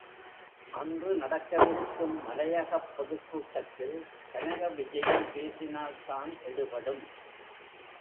அன்று நடக்கவிருக்கும் மலையகப் பொதுக் கூட்டத்தில் கனக விஜயன் பேசினால் தான் எடுபடும்.